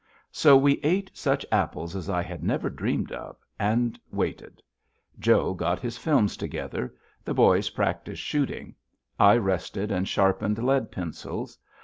So we ate such apples as I had never dreamed of, and waited. Joe got his films together. The boys practiced shooting. I rested and sharpened lead pencils.